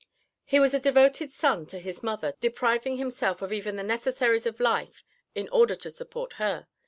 He was a devoted son to his mother, depriving himself of even the necessaries of life in order to support her.